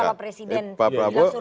jadi kalau presiden bilang suruh mundur